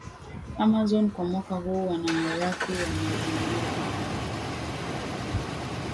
Amazon kwa mwaka huu Wanaharaki wa mazingira